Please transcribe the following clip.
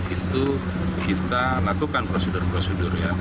itu kita lakukan prosedur prosedur ya